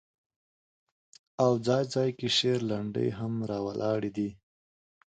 او ځاى ځاى کې شعر، لنډۍ هم را وړي دي